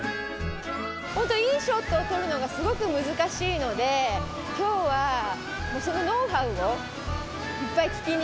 ホントいいショットを撮るのがすごく難しいので今日はそのノウハウをいっぱい聞きに。